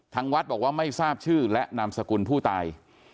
ทางวัดบอกว่าไม่ทราบชื่อและนามสกุลผู้ตาย